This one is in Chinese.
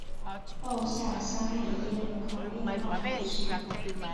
鲍下沙艾耶人口变化图示